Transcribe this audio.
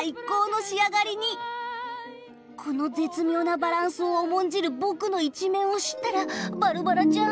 この絶妙なバランスを重んじる僕の一面を知ったらバルバラちゃん。